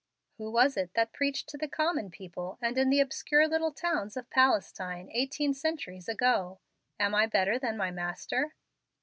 "Who was it that preached to the 'common people,' and in the obscure little towns of Palestine eighteen centuries ago? Am I better than my Master?"